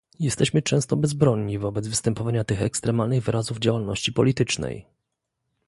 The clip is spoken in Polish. Jesteśmy często bezbronni wobec występowania tych ekstremalnych wyrazów działalności politycznej